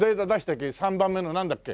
３番目のなんだっけ？